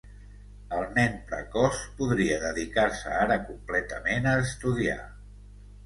El nen precoç podria dedicar-se ara completament a estudiar.